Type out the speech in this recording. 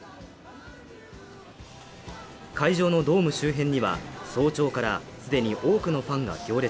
会場のドーム周辺には早朝から既に多くのファンが行列。